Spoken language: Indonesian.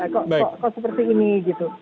kok seperti ini gitu